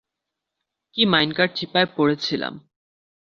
কী মাইনকার চিপায় পড়েছিলাম।